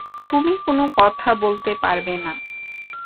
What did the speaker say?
তুমি কোনো কথা বলতে পারবে না।